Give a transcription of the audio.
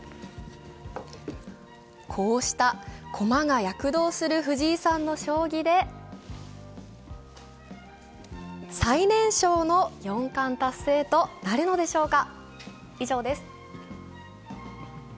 こうした駒が躍動する藤井さんの将棋で、最年少の四冠達成となるのでしょうか。